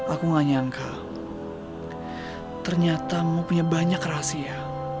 aku nganyankah ternyata mo punya banyak rahasia